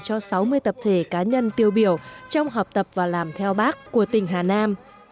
cho sáu mươi tập thể cá nhân tiêu biểu trong học tập và làm theo bác của tỉnh hà nam